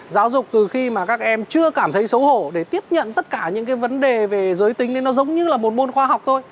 giáo dục từ khi mà các em chưa cảm thấy xấu hổ để tiếp nhận tất cả những cái vấn đề về giới tính đến nó giống như là một môn khoa học thôi